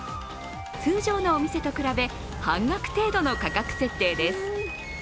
通常のお店と比べ、半額程度の価格設定です。